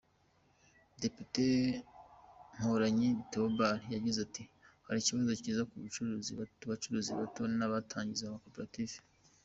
Depite Mporanyi Théobald yagize ati “Hari ikibazo kiza ku bacuruzi bato n’abatangiza amakoperative.